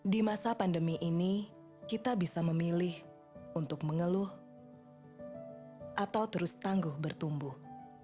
di masa pandemi ini kita bisa memilih untuk mengeluh atau terus tangguh bertumbuh